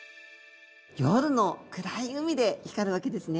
夜の暗い海で光るわけですね。